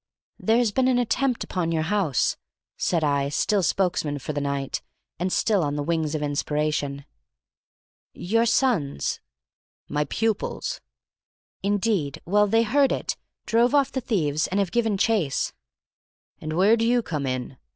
"There has been an attempt upon your house," said I, still spokesman for the night, and still on the wings of inspiration. "Your sons—" "My pupils." "Indeed. Well, they heard it, drove off the thieves, and have given chase." "And where do you come in?"